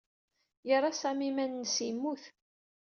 Yerra Sami iman-nnes yemmut.